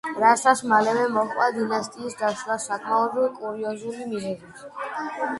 რასაც მალევე მოჰყვა დინასტიის დაშლა საკმაოდ კურიოზული მიზეზით.